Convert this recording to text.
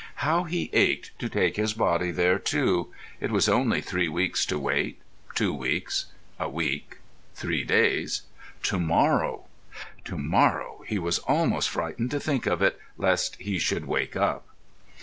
How he ached to take his body there too ... it was only three weeks to wait, two weeks, a week, three days—to morrow! To morrow—he was almost frightened to think of it lest he should wake up.